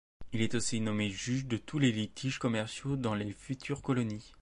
Il est aussi nommé juge de tous les litiges commerciaux dans les futures colonies.